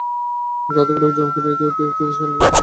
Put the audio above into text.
গাঁ থেকে লোকজন নিয়ে ফিরতে ফিরতে শেয়াল যদি টানাটানি আরম্ভ করে দেয়?